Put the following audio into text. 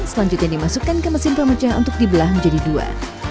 selanjutnya dimasukkan ke mesin pemecah untuk dibelah menjadi dua